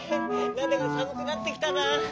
なんだかさむくなってきたな。